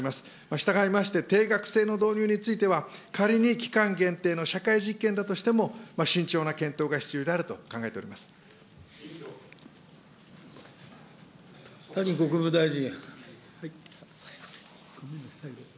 したがいまして、定額制の導入については、仮に期間限定の社会実験だとしても、慎重な検討が必要であるとい谷国務大臣。